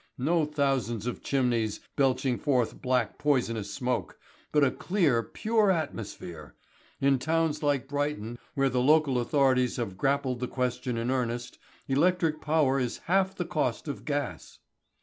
No thousands of chimneys belching forth black poisonous smoke, but a clear, pure atmosphere. In towns like Brighton, where the local authorities have grappled the question in earnest, electric power is half the cost of gas.